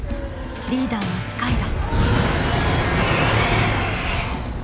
リーダーのスカイだ。